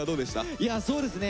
いやそうですね